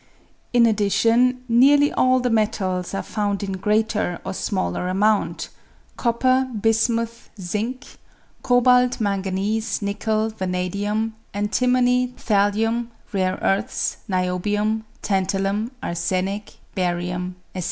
In addition nearly all the metals are found in greater or smaller amount (copper, bismuth, zinc, cobalt, manganese, nickel, vanadium, antimony, thallium, rare earths, niobium, tantalum, arsenic, barium, &c.).